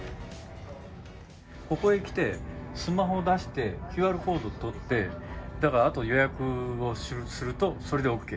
ここへ来て、スマホ出して、ＱＲコードを取って、だからあと予約をすると、それでＯＫ。